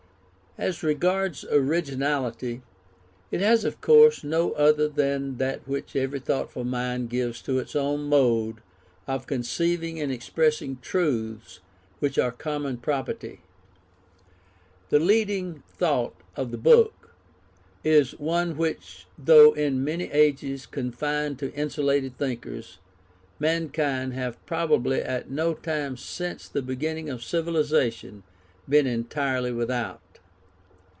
As regards originality, it has of course no other than that which every thoughtful mind gives to its own mode of conceiving and expressing truths which are common property. The leading thought of the book is one which though in many ages confined to insulated thinkers, mankind have probably at no time since the beginning of civilization been entirely without.